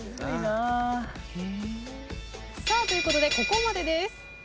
ということでここまでです。